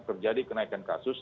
terjadi kenaikan kasus